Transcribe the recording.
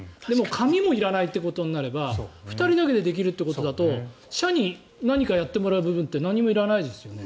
紙もいらないとなれば２人だけでできるとなると社に何かやってもらう部分って何もいらないですよね。